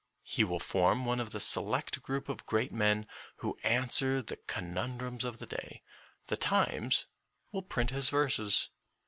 He will form one of the select group of great men who answer the conun drums of the day. The Times will print his verses.